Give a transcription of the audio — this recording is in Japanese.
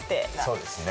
そうですね。